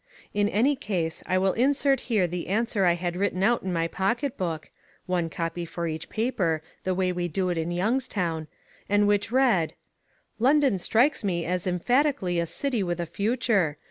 In any case I will insert here the answer I had written out in my pocket book (one copy for each paper the way we do it in Youngstown), and which read: "London strikes me as emphatically a city with a future.